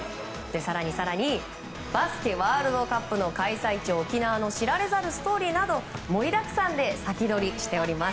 更に更にバスケワールドカップの開催地、沖縄の知られざるストーリーなど盛りだくさんで先取りしております。